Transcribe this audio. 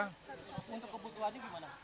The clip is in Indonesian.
untuk kebutuhan ini gimana